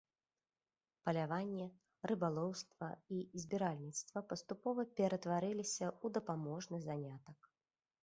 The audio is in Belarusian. Паляванне, рыбалоўства і збіральніцтва паступова ператвараліся ў дапаможны занятак.